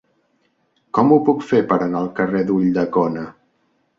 Com ho puc fer per anar al carrer d'Ulldecona?